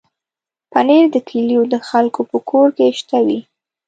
پنېر د کلیو د خلکو په کور کې شته وي.